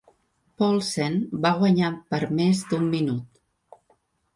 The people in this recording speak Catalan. Paulsen va guanyar per més d'un minut.